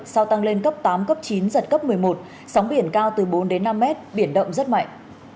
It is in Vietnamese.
sau tăng lên cấp tám cấp chín giật cấp một mươi một sóng biển cao từ bốn đến năm mét biển động rất mạnh